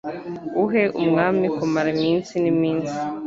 Uhe umwami kumara iminsi n’iminsi